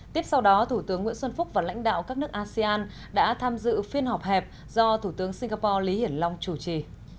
tiếp sau đó thủ tướng nguyễn xuân phúc và lãnh đạo các nước asean đã tham dự phiên họp hẹp do thủ tướng singapore lý hiển long chủ trì